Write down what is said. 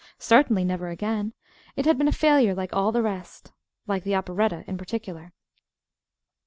Certainly, never again! It had been a failure like all the rest; like the operetta, in particular.